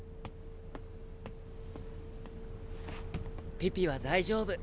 ピピは大丈夫。